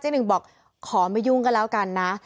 หนึ่งบอกขอไม่ยุ่งก็แล้วกันนะ